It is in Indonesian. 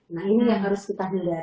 nah ini yang harus kita hindari